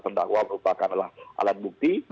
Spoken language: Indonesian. pendakwa merupakan alat bukti